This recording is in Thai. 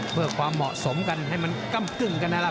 เพื่อความเหมาะสมกันให้มันก้ำกึ้งกันนั่นแหละ